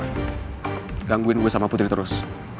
kamu mengganggu saya sama putri terus